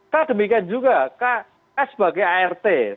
k demikian juga ks sebagai art